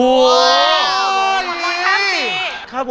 สวัสดีครับ